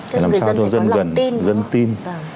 thế là làm sao cho dân gần dân tin